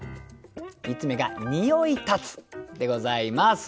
３つ目が「匂ひたつ」でございます。